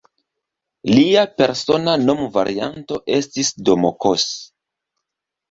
Lia persona nomvarianto estis "Domokos".